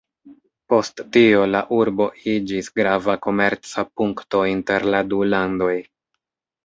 Post tio la urbo iĝis grava komerca punkto inter la du landoj.